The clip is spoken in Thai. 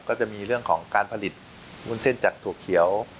ก็จะมีเรื่องของการผลิตวุ้นเส้นจากถั่วเขียว